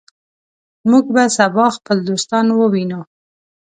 موږ به سبا خپل دوستان ووینو.